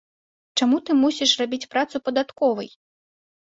Чаму ты мусіш рабіць працу падатковай?!